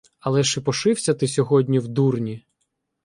Але ж і пошився ти сьогодні в дурні!